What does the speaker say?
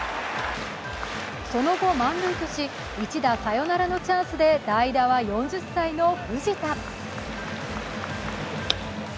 その後、満塁とし、一打サヨナラのチャンスで代打は４０歳の藤田。